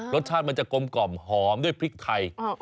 รสชาติมันจะกลมกล่อมหอมด้วยพริกไทย